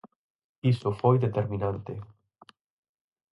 Iso foi determinante.